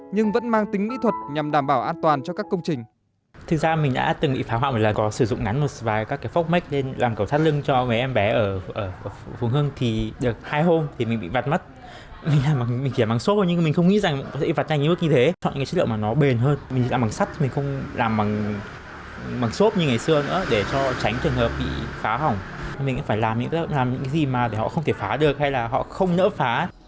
nhưng vẫn mang tính nghị thuật nhằm đảm bảo an toàn cho các công trình